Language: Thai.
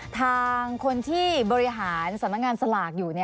ทางคนที่บริหารสำนักงานสลากอยู่